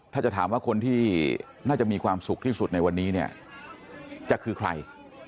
ถ้าจะถามว่าคนที่น่าจะมีความสุขที่สุดในวันนี้เนี่ยจะคือใคร